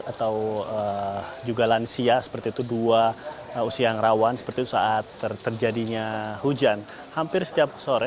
atau juga lansia seperti itu dua usia yang rawan seperti itu saat terjadinya hujan hampir setiap sore